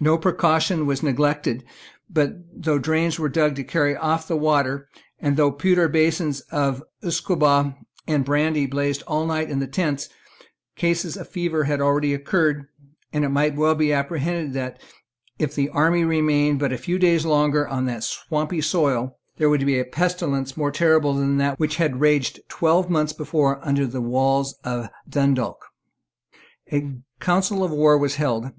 No precaution was neglected; but, though drains were dug to carry off the water, and though pewter basins of usquebaugh and brandy blazed all night in the tents, cases of fever had already occurred, and it might well be apprehended that, if the army remained but a few days longer on that swampy soil, there would be a pestilence more terrible than that which had raged twelve months before under the walls of Dundalk, A council of war was held.